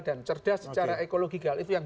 dan cerdas secara ekologi global itu yang